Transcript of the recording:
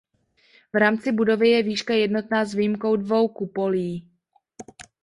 V rámci budovy je výška jednotná s výjimkou dvou kupolí.